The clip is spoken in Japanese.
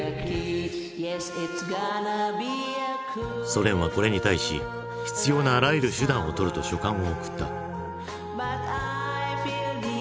ソ連はこれに対し「必要なあらゆる手段をとる」と書簡を送った。